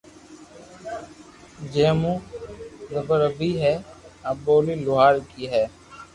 جي مون زبر پڙي ھي آ ٻولي لوھارڪي ھي